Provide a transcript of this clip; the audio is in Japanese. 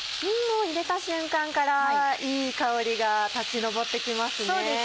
もう入れた瞬間からいい香りが立ち上って来ますね。